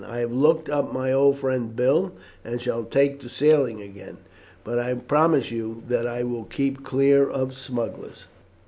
I have looked up my old friend Bill, and shall take to sailing again, but I will promise you that I will keep clear of smugglers."